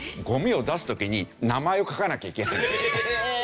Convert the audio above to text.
ゴミを出す時に名前を書かなきゃいけないんですね。